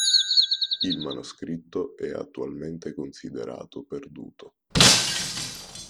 Il manoscritto è attualmente considerato perduto.